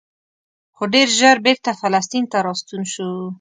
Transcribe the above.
خو ډېر ژر بېرته فلسطین ته راستون شو.